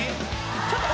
ちょっと。